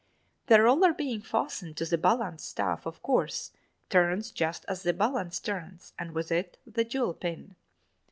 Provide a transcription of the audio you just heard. The roller being fastened to the balance staff, of course, turns just as the balance turns and with it the jewel pin.